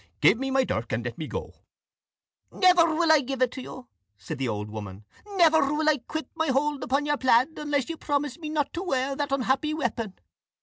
Give me my dirk, and let me go." "Never will I give it to you," said the old woman "never will I quit my hold on your plaid, unless you promise me not to wear that unhappy weapon."